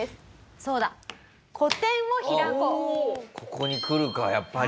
ここにくるかやっぱり。